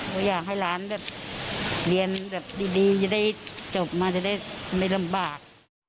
ก็อยากให้หลานแบบเรียนแบบดีจะได้จบมาจะได้ไม่ลำบาก